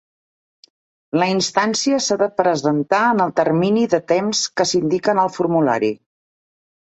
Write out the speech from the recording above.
La instància s'ha de presentar en el termini de temps que s'indica en el formulari.